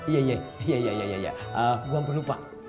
iya iya iya gue yang perlu pak